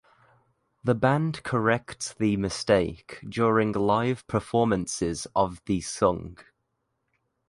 The band corrects the mistake during live performances of the song.